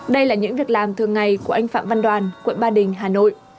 đây là những việc làm thường ngày của anh phạm văn đoàn quận ba đình hà nội